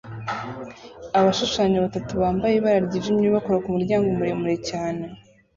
Abashushanya batatu bambaye ibara ryijimye bakora kumuryango muremure cyane